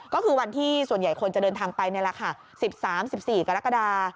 ก็คือวันที่ส่วนใหญ่คนจะเดินทางไปนี่แหละค่ะ๑๓๑๔กรกฎา